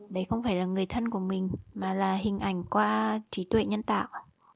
đấy không phải là người thân của mình mà là hình ảnh qua trí tuệ nhân tạo